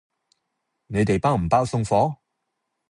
你哋包唔包送貨？